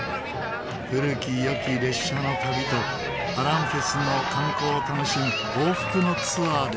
古き良き列車の旅とアランフェスの観光を楽しむ往復のツアーです。